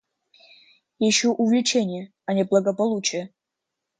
Я ищу увлечения, а не благополучия.